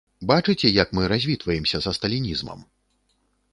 Бачыце, як мы развітваемся са сталінізмам?